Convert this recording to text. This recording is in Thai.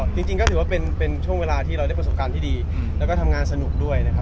จริงก็ถือว่าเป็นช่วงเวลาที่เราได้ประสบการณ์ที่ดีแล้วก็ทำงานสนุกด้วยนะครับ